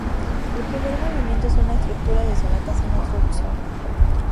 El primer movimiento es una estructura de sonata sin introducción.